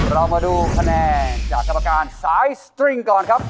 เรามาดูคะแนนจากกรรมการสายสตริงก่อนครับ